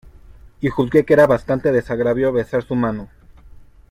y juzgué que era bastante desagravio besar su mano.